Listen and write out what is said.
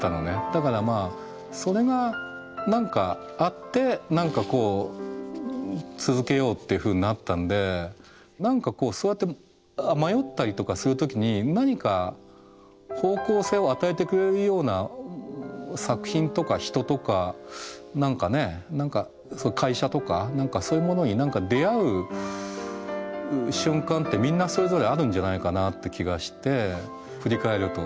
だからまあそれがあって続けようっていうふうになったんでそうやって迷ったりとかする時に何か方向性を与えてくれるような作品とか人とか何かね会社とかそういうものに出会う瞬間ってみんなそれぞれあるんじゃないかなって気がして振り返ると。